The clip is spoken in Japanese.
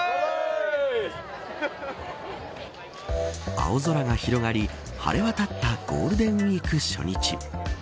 青空が広がり晴れわたったゴールデンウイーク初日。